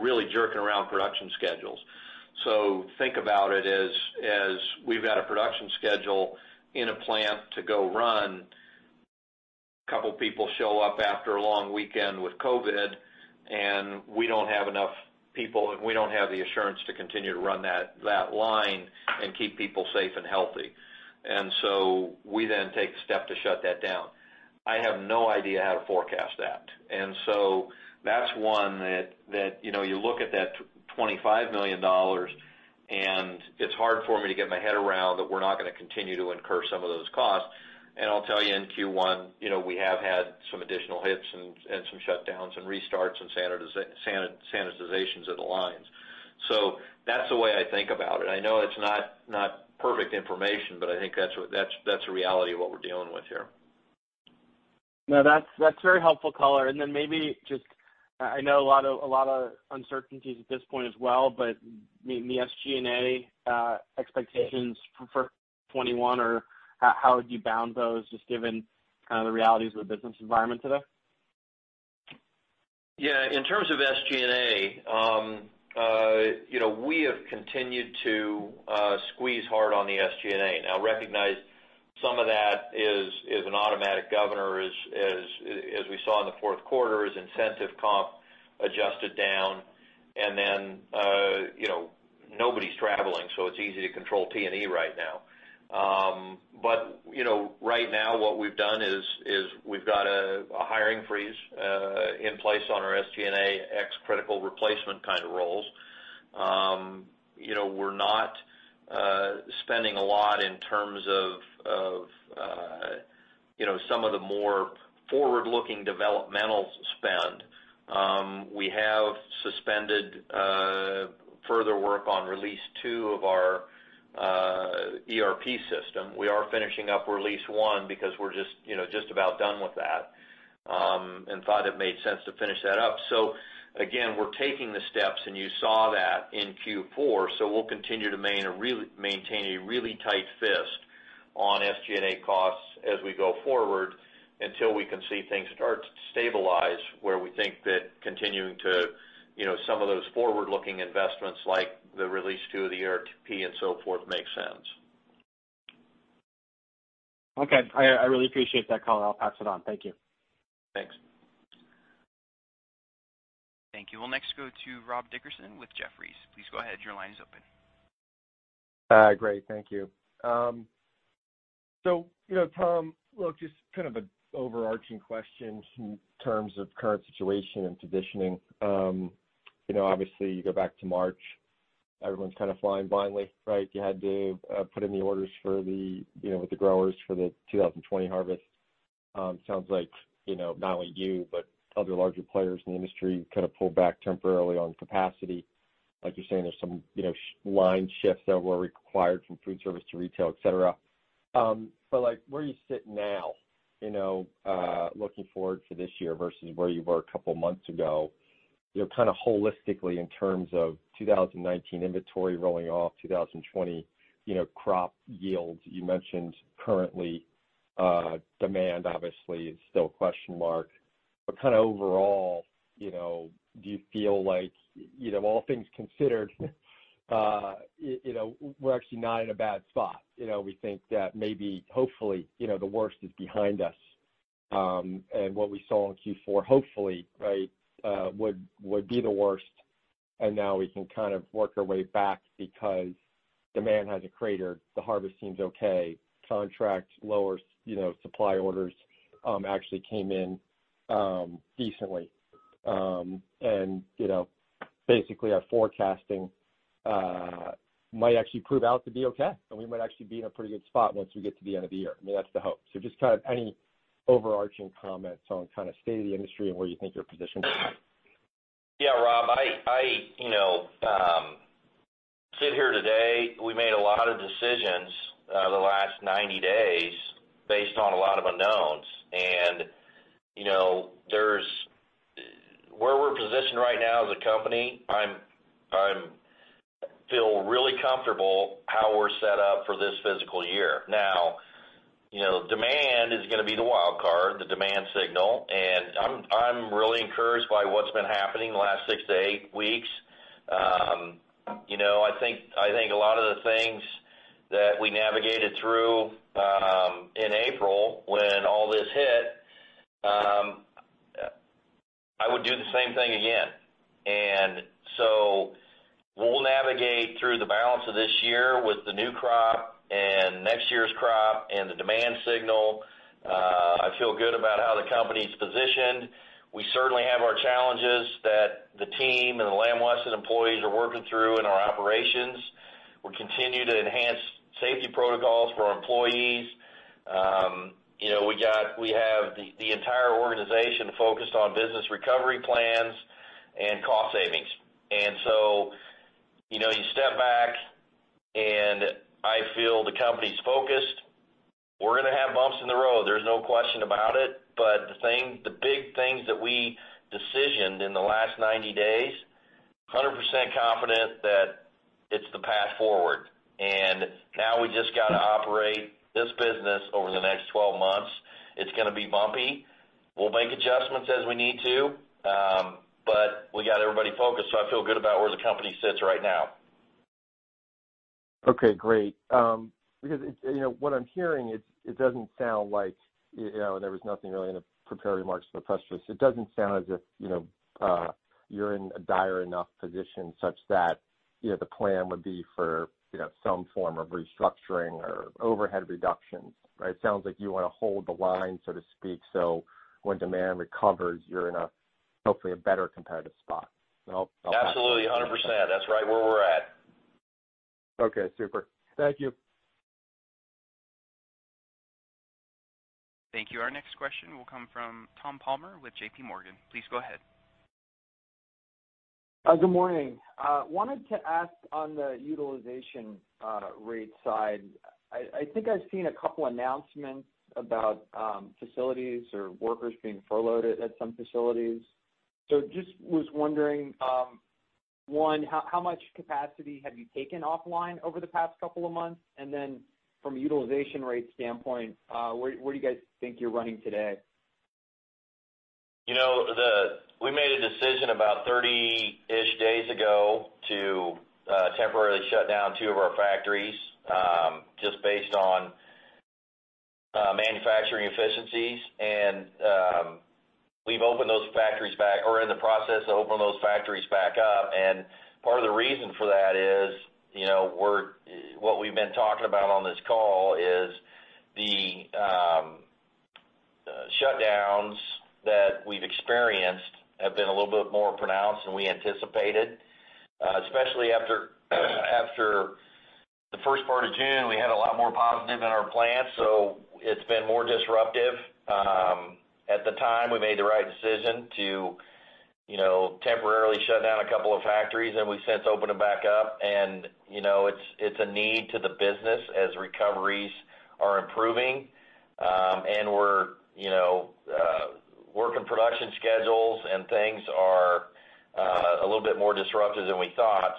really jerking around production schedules. Think about it as we've got a production schedule in a plant to go run, couple people show up after a long weekend with COVID, and we don't have enough people, and we don't have the assurance to continue to run that line and keep people safe and healthy. We then take the step to shut that down. I have no idea how to forecast that. That's one that you look at that $25 million, and it's hard for me to get my head around that we're not going to continue to incur some of those costs. I'll tell you in Q1, we have had some additional hits and some shutdowns and restarts and sanitizations of the lines. That's the way I think about it. I know it's not perfect information, but I think that's the reality of what we're dealing with here. That's very helpful color. Maybe just, I know a lot of uncertainties at this point as well, but the SG&A expectations for 2021 or how would you bound those, just given kind of the realities of the business environment today? Yeah. In terms of SG&A, we have continued to squeeze hard on the SG&A. Now recognize some of that is an automatic governor as we saw in the fourth quarter as incentive comp adjusted down and then nobody's traveling, so it's easy to control T&E right now. Right now what we've done is we've got a hiring freeze in place on our SG&A ex critical replacement kind of roles. We're not spending a lot in terms of some of the more forward-looking developmental spend. We have suspended further work on release two of our ERP system. We are finishing up release one because we're just about done with that, and thought it made sense to finish that up. Again, we're taking the steps, and you saw that in Q4, so we'll continue to maintain a really tight fist on SG&A costs as we go forward until we can see things start to stabilize where we think that continuing to some of those forward-looking investments like the release two of the ERP and so forth make sense. Okay. I really appreciate that color. I'll pass it on. Thank you. Thanks. Thank you. We'll next go to Rob Dickerson with Jefferies. Please go ahead. Your line is open. Great. Thank you. Tom, look, just kind of an overarching question in terms of current situation and positioning. Obviously you go back to March, everyone's kind of flying blindly, right? You had to put in the orders with the growers for the 2020 harvest. Sounds like not only you, but other larger players in the industry kind of pulled back temporarily on capacity. Like you're saying, there's some line shifts that were required from food service to retail, et cetera. Where do you sit now, looking forward for this year versus where you were a couple of months ago? Kind of holistically in terms of 2019 inventory rolling off 2020 crop yields. You mentioned currently demand obviously is still a question mark. Kind of overall, do you feel like all things considered we're actually not in a bad spot? We think that maybe, hopefully, the worst is behind us. What we saw in Q4 hopefully would be the worst. Now we can kind of work our way back because demand hasn't cratered, the harvest seems okay. Contracts lower, supply orders actually came in decently. Basically our forecasting might actually prove out to be okay, and we might actually be in a pretty good spot once we get to the end of the year. I mean, that's the hope. Just kind of any overarching comments on kind of state of the industry and where you think your position is at? Yeah, Rob, I sit here today, we made a lot of decisions over the last 90 days based on a lot of unknowns. Where we're positioned right now as a company, I feel really comfortable how we're set up for this fiscal year. Now, demand is going to be the wild card, the demand signal, and I'm really encouraged by what's been happening the last 6 to 8 weeks. I think a lot of the things that we navigated through in April when all this hit, I would do the same thing again. We'll navigate through the balance of this year with the new crop and next year's crop and the demand signal. I feel good about how the company's positioned. We certainly have our challenges that the team and the Lamb Weston employees are working through in our operations. We continue to enhance safety protocols for our employees. We have the entire organization focused on business recovery plans and cost savings. You step back and I feel the company's focused. We're going to have bumps in the road, there's no question about it. The big things that we decisioned in the last 90 days, 100% confident that it's the path forward. Now we just got to operate this business over the next 12 months. It's going to be bumpy. We'll make adjustments as we need to. We got everybody focused, so I feel good about where the company sits right now. Okay, great. What I'm hearing, there was nothing really in the prepared remarks for questions. It doesn't sound as if you're in a dire enough position such that the plan would be for some form of restructuring or overhead reductions, right? It sounds like you want to hold the line, so to speak, so when demand recovers, you're in a hopefully better competitive spot. Absolutely, 100%. That's right where we're at. Okay, super. Thank you. Thank you. Our next question will come from Tom Palmer with JPMorgan. Please go ahead. Good morning. Wanted to ask on the utilization rate side. I think I've seen a couple announcements about facilities or workers being furloughed at some facilities. Just was wondering, one, how much capacity have you taken offline over the past couple of months? From a utilization rate standpoint, where do you guys think you're running today? We made a decision about 30-ish days ago to temporarily shut down two of our factories, just based on manufacturing efficiencies. We've opened those factories back or are in the process of opening those factories back up. Part of the reason for that is what we've been talking about on this call is the shutdowns that we've experienced have been a little bit more pronounced than we anticipated. Especially after the first part of June, we had a lot more positive in our plants, so it's been more disruptive. At the time, we made the right decision to temporarily shut down a couple of factories. We've since opened them back up. It's a need to the business as recoveries are improving. Work and production schedules and things are a little bit more disruptive than we thought.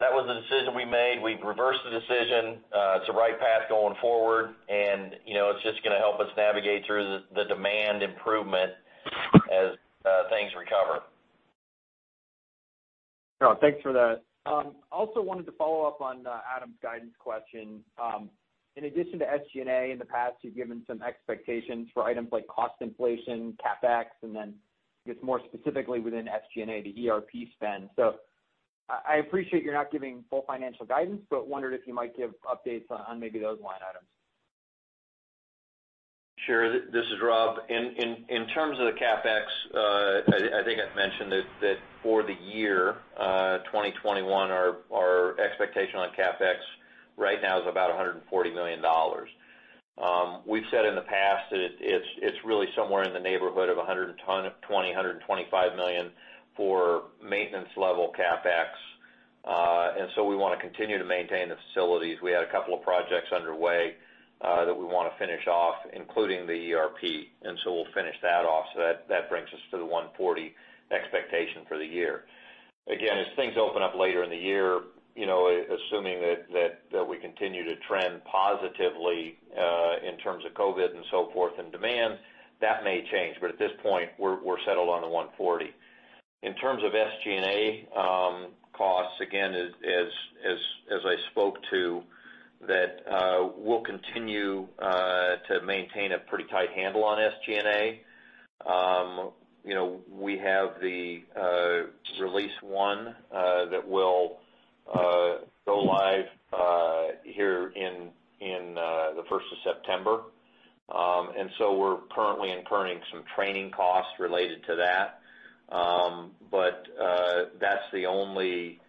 That was the decision we made. We reversed the decision. It's the right path going forward, and it's just going to help us navigate through the demand improvement as things recover. Thanks for that. Wanted to follow up on Adam's guidance question. In addition to SG&A, in the past, you've given some expectations for items like cost inflation, CapEx, and then I guess more specifically within SG&A, the ERP spend. I appreciate you're not giving full financial guidance, but wondered if you might give updates on maybe those line items. Sure. This is Rob. In terms of the CapEx, I think I've mentioned that for the year 2021, our expectation on CapEx right now is about $140 million. We've said in the past that it's really somewhere in the neighborhood of $100 million-$120 million, $125 million for maintenance level CapEx. We want to continue to maintain the facilities. We had a couple of projects underway that we want to finish off, including the ERP, and so we'll finish that off. That brings us to the $140 expectation for the year. Again, as things open up later in the year, assuming that we continue to trend positively in terms of COVID and so forth, and demand, that may change. At this point, we're settled on the $140. In terms of SG&A costs, again, as I spoke to, that we'll continue to maintain a pretty tight handle on SG&A. We have the release one that will go live here in the first of September. We're currently incurring some training costs related to that. That's the only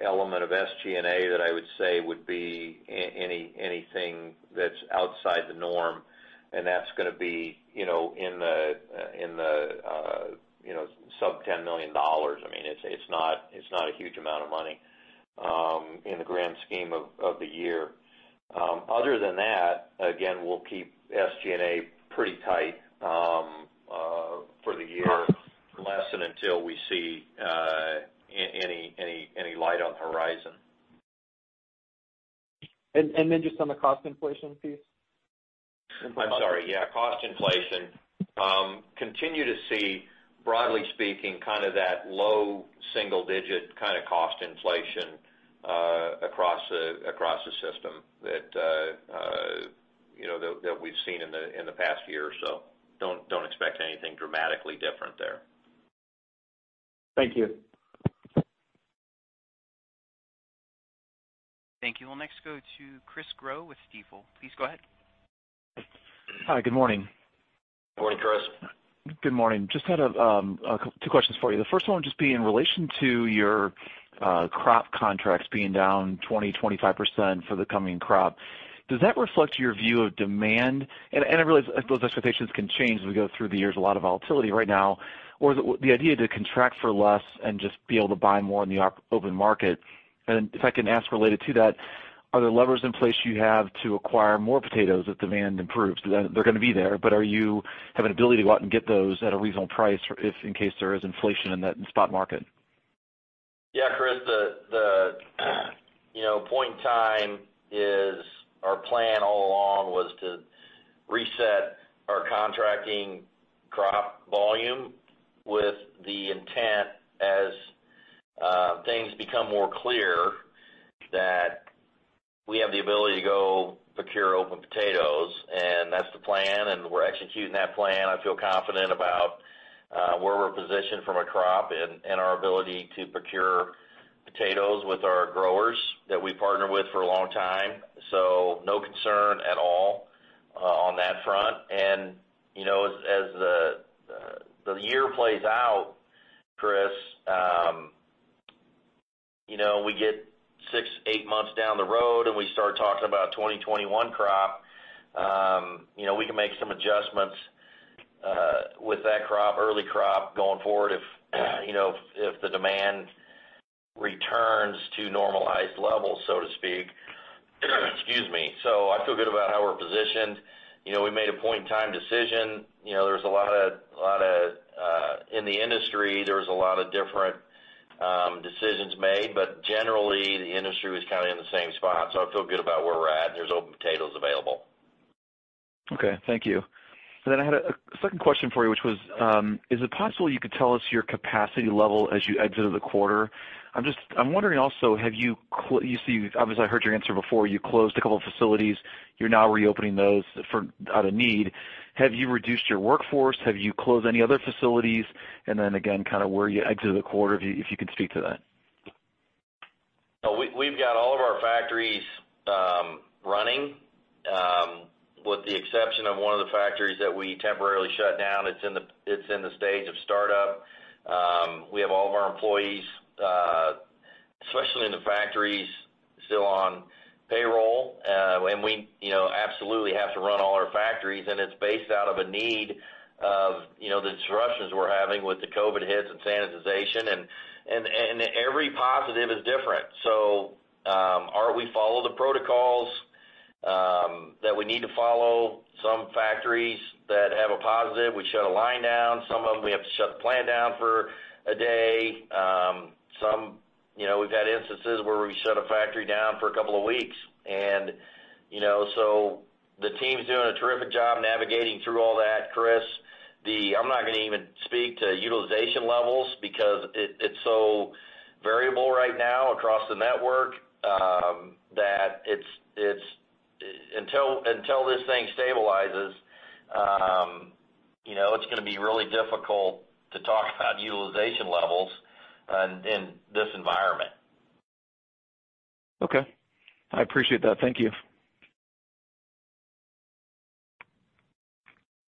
element of SG&A that I would say would be anything that's outside the norm, and that's going to be in the sub $10 million. I mean, it's not a huge amount of money in the grand scheme of the year. Other than that, again, we'll keep SG&A pretty tight for the year, unless and until we see any light on the horizon. Just on the cost inflation piece. I'm sorry. Yeah, cost inflation. Continue to see, broadly speaking, that low single-digit kind of cost inflation across the system that we've seen in the past year or so. Don't expect anything dramatically different there. Thank you. Thank you. We'll next go to Chris Growe with Stifel. Please go ahead. Hi, good morning. Good morning, Chris. Good morning. Just had two questions for you. The first one would just be in relation to your crop contracts being down 20%, 25% for the coming crop. Does that reflect your view of demand? I realize those expectations can change as we go through the years. A lot of volatility right now. Is the idea to contract for less and just be able to buy more in the open market? If I can ask related to that, are there levers in place you have to acquire more potatoes if demand improves? They're going to be there, but are you having ability to go out and get those at a reasonable price if in case there is inflation in that spot market? Yeah, Chris, the point in time is our plan all along was to reset our contracting crop volume with the intent as things become more clear, that we have the ability to go procure open potatoes. That's the plan, and we're executing that plan. I feel confident about where we're positioned from a crop and our ability to procure potatoes with our growers that we've partnered with for a long time. No concern at all on that front. As the year plays out, Chris, we get six, eight months down the road, and we start talking about 2021 crop. We can make some adjustments with that crop, early crop going forward if the demand returns to normalized levels, so to speak. Excuse me. I feel good about how we're positioned. We made a point-in-time decision. In the industry, there was a lot of different decisions made, but generally, the industry was kind of in the same spot. I feel good about where we're at, and there's open potatoes available. Okay. Thank you. Then I had a second question for you, which was, is it possible you could tell us your capacity level as you exited the quarter? I'm wondering also, obviously I heard your answer before, you closed a couple of facilities. You're now reopening those out of need. Have you reduced your workforce? Have you closed any other facilities? Then again, kind of where you exited the quarter, if you could speak to that. We've got all of our factories running with the exception of one of the factories that we temporarily shut down. It's in the stage of startup. We have all of our employees, especially in the factories, still on payroll. We absolutely have to run all our factories, and it's based out of a need of the disruptions we're having with the COVID hits and sanitization. Every positive is different. We follow the protocols that we need to follow. Some factories that have a positive, we shut a line down. Some of them, we have to shut the plant down for a day. We've had instances where we shut a factory down for a couple of weeks. The team's doing a terrific job navigating through all that, Chris. I'm not going to even speak to utilization levels because it's so variable right now across the network that until this thing stabilizes, it's going to be really difficult to talk about utilization levels in this environment. Okay. I appreciate that. Thank you.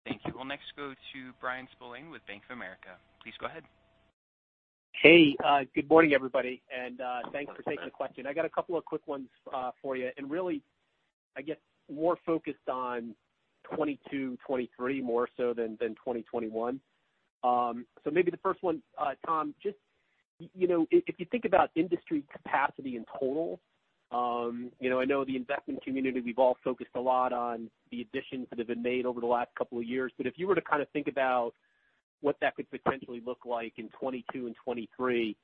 Thank you. We'll next go to Bryan Spillane with Bank of America. Please go ahead. Hey, good morning, everybody, and thanks for taking the question. I got a couple of quick ones for you and really I guess, more focused on 2022, 2023, more so than 2021. Maybe the first one, Tom, if you think about industry capacity in total, I know the investment community, we've all focused a lot on the additions that have been made over the last couple of years, but if you were to think about what that could potentially look like in 2022 and 2023,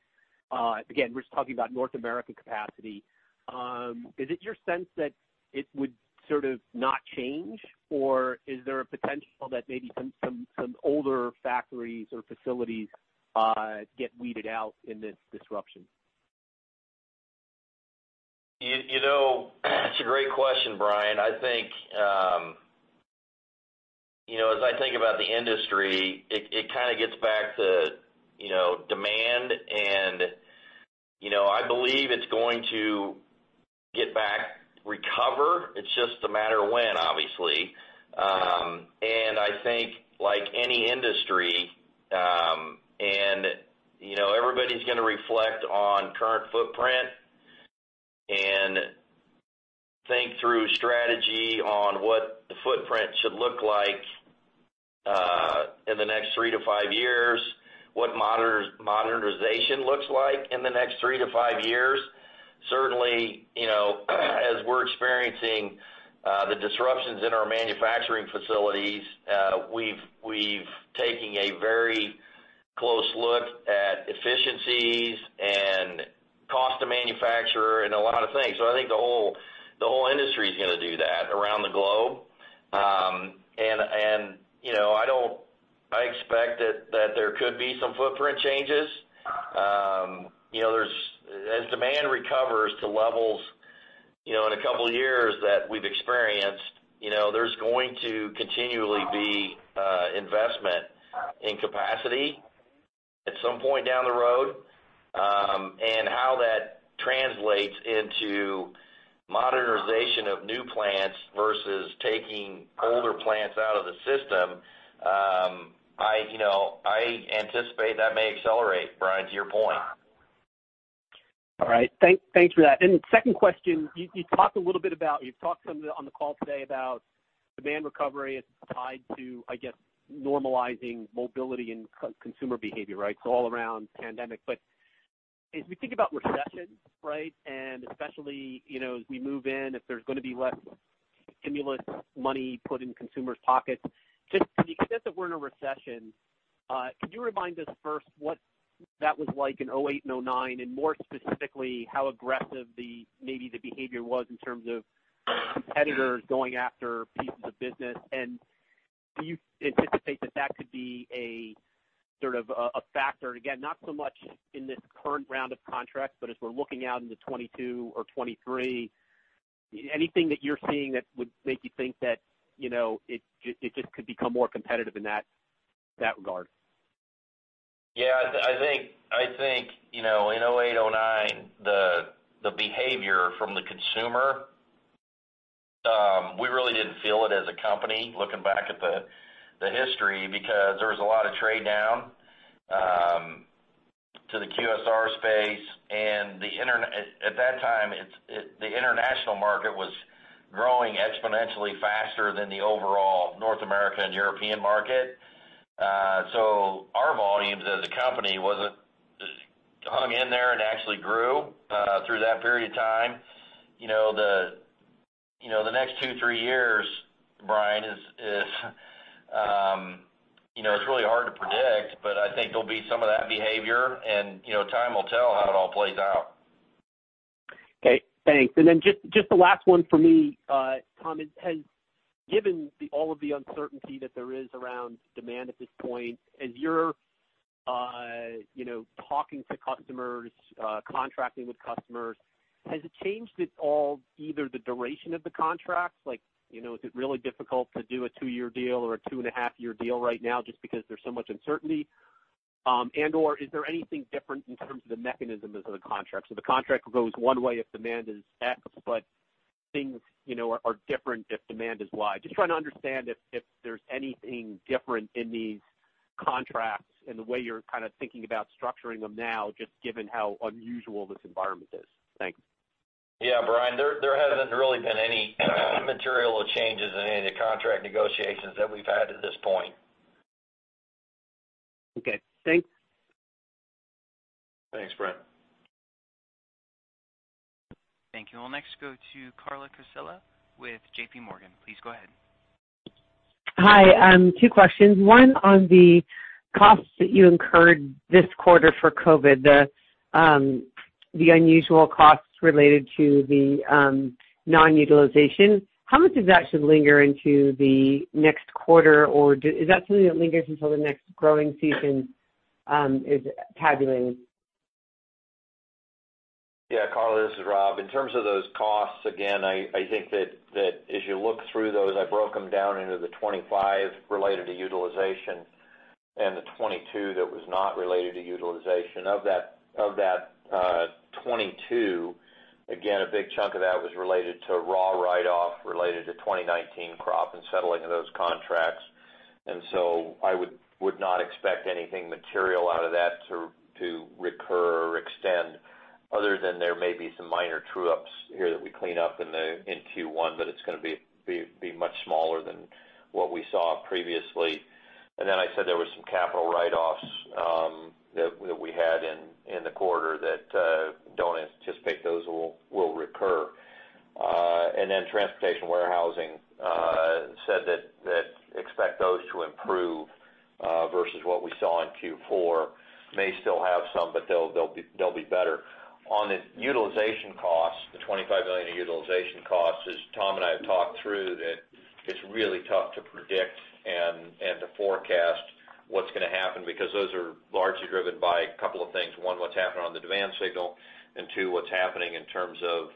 again, we're just talking about North American capacity. Is it your sense that it would sort of not change, or is there a potential that maybe some older factories or facilities get weeded out in this disruption? It's a great question, Bryan. As I think about the industry, it kind of gets back to demand and I believe it's going to get back, recover. It's just a matter of when, obviously. I think, like any industry, everybody's going to reflect on current footprint and think through strategy on what the footprint should look like in the next three to five years, what modernization looks like in the next three to five years. Certainly, as we're experiencing the disruptions in our manufacturing facilities, we've taken a very close look at efficiencies and cost to manufacturer and a lot of things. I think the whole industry is going to do that around the globe. I expect that there could be some footprint changes. As demand recovers to levels in a couple of years that we've experienced, there's going to continually be investment in capacity at some point down the road. How that translates into modernization of new plants versus taking older plants out of the system, I anticipate that may accelerate, Bryan, to your point. All right. Thanks for that. Second question, you've talked on the call today about demand recovery. It's tied to, I guess, normalizing mobility and consumer behavior, right? All around pandemic. As we think about recession, right? Especially, as we move in, if there's going to be less stimulus money put in consumers' pockets, just to the extent that we're in a recession, could you remind us first what that was like in 2008 and 2009, and more specifically, how aggressive maybe the behavior was in terms of competitors going after pieces of business? Do you anticipate that that could be a factor? Again, not so much in this current round of contracts, but as we're looking out into 2022 or 2023, anything that you're seeing that would make you think that it just could become more competitive in that regard? Yeah. I think, in 2008, 2009, the behavior from the consumer, we really didn't feel it as a company, looking back at the history, because there was a lot of trade down to the QSR space. At that time, the international market was growing exponentially faster than the overall North American-European market. So our volumes as a company hung in there and actually grew through that period of time. The next two, three years, Bryan, it's really hard to predict, but I think there'll be some of that behavior, and time will tell how it all plays out. Okay, thanks. Just the last one for me, Tom. Given all of the uncertainty that there is around demand at this point, as you're talking to customers, contracting with customers, has it changed at all either the duration of the contracts? Is it really difficult to do a two-year deal or a two-and-a-half-year deal right now just because there's so much uncertainty? Is there anything different in terms of the mechanism of the contract? The contract goes one way if demand is X, but things are different if demand is Y. Just trying to understand if there's anything different in these contracts in the way you're kind of thinking about structuring them now, just given how unusual this environment is. Thanks. Yeah, Bryan, there hasn't really been any material changes in any of the contract negotiations that we've had to this point. Okay, thanks. Thanks, Bryan. Thank you. We'll next go to Carla Casella with JPMorgan. Please go ahead. Hi. Two questions. One on the costs that you incurred this quarter for COVID, the unusual costs related to the non-utilization. How much does that should linger into the next quarter, or is that something that lingers until the next growing season is tabulating? Yeah, Carla, this is Rob. In terms of those costs, again, I think that as you look through those, I broke them down into the 25 related to utilization and the 22 that was not related to utilization. Of that 22, again, a big chunk of that was related to raw write-off related to 2019 crop and settling of those contracts. I would not expect anything material out of that to recur or extend other than there may be some minor true-ups here that we clean up in Q1, but it's going to be much smaller than what we saw previously. I said there was some capital write-offs that we had in the quarter that don't anticipate those will recur. Transportation warehousing said that expect those to improve, versus what we saw in Q4. May still have some, but they'll be better. On the utilization costs, the $25 million of utilization costs, as Tom and I have talked through, that it's really tough to predict and to forecast what's going to happen because those are largely driven by a couple of things. One, what's happening on the demand signal, and two, what's happening in terms of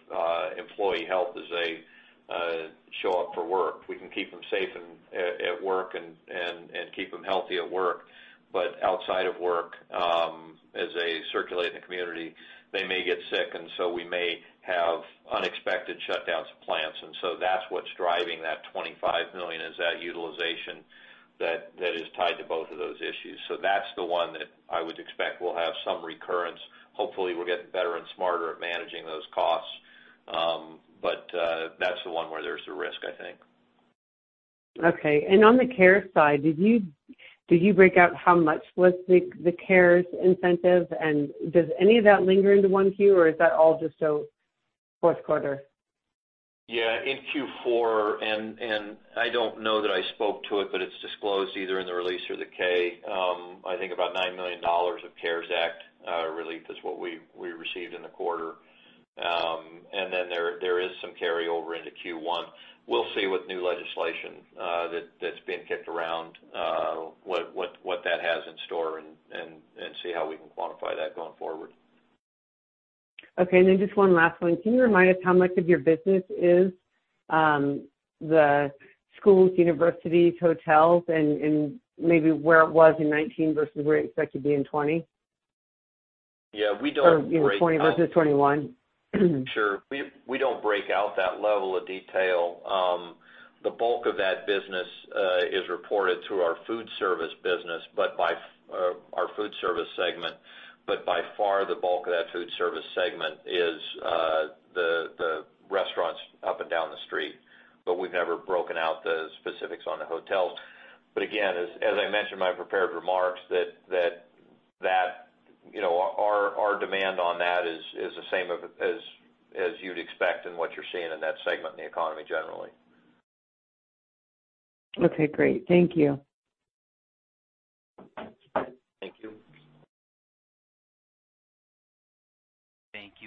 employee health as they show up for work. We can keep them safe at work and keep them healthy at work. Outside of work, as they circulate in the community, they may get sick, and so we may have unexpected shutdowns of plants. That's what's driving that $25 million is that utilization that is tied to both of those issues. That's the one that I would expect will have some recurrence. Hopefully, we're getting better and smarter at managing those costs. That's the one where there's a risk, I think. Okay. On the CARES side, did you break out how much was the CARES incentive, and does any of that linger into 1Q, or is that all just fourth quarter? In Q4, I don't know that I spoke to it, but it's disclosed either in the release or the K. I think about $9 million of CARES Act relief is what we received in the quarter. Then there is some carryover into Q1. We'll see with new legislation that's being kicked around what that has in store and see how we can quantify that going forward. Okay. Just one last one. Can you remind us how much of your business is the schools, universities, hotels, and maybe where it was in 2019 versus where you expect to be in 2020? Yeah. We don't. 2020 versus 2021. Sure. We don't break out that level of detail. The bulk of that business is reported through our food service segment. By far, the bulk of that food service segment is the restaurants up and down the street. We've never broken out the specifics on the hotels. Again, as I mentioned in my prepared remarks, our demand on that is the same as you'd expect and what you're seeing in that segment in the economy generally. Okay, great. Thank you.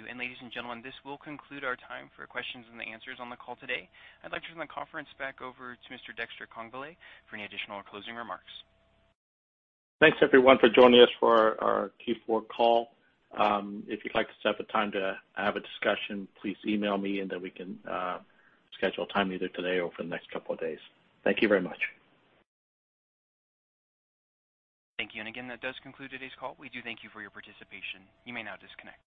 Thank you. Thank you. Ladies and gentlemen, this will conclude our time for questions and the answers on the call today. I'd like to turn the conference back over to Mr. Dexter Congbalay for any additional closing remarks. Thanks, everyone, for joining us for our Q4 call. If you'd like to set up a time to have a discussion, please email me, and then we can schedule a time either today or over the next couple of days. Thank you very much. Thank you. Again, that does conclude today's call. We do thank you for your participation. You may now disconnect.